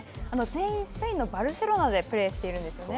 全員スペインのバルセロナでプレーしているんですね。